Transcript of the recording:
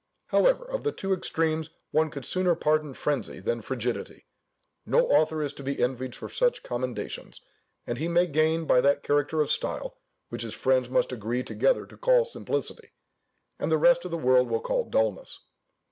However, of the two extremes one could sooner pardon frenzy than frigidity; no author is to be envied for such commendations, as he may gain by that character of style, which his friends must agree together to call simplicity, and the rest of the world will call dulness.